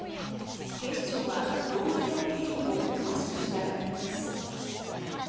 警視庁は漏えいの経緯を詳しく調べています。